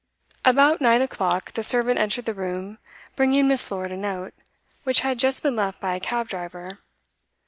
About nine o'clock the servant entered the room, bringing Miss. Lord a note, which had just been left by a cab driver.